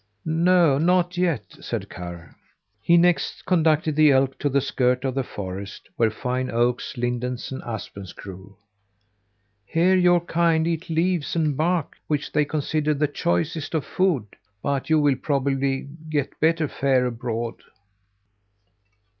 "No, not yet," said Karr. He next conducted the elk to the skirt of the forest, where fine oaks, lindens, and aspens grew. "Here your kind eat leaves and bark, which they consider the choicest of food; but you will probably get better fare abroad."